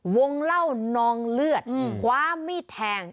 วงเล่านองเลือดคว้ามีดแทง